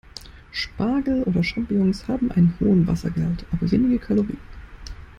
Spargel oder Champignons haben einen hohen Wassergehalt, aber wenige Kalorien.